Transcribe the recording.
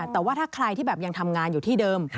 แต่ว่าถ้าใครที่แบบยังทำงานอยู่ที่เดิม